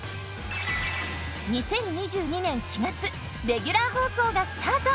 ２０２２年４月レギュラー放送がスタート！